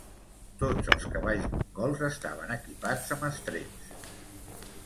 Tots els cavalls mongols estaven equipats amb estreps.